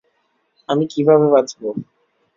আমি কিভাবে বাঁচবো?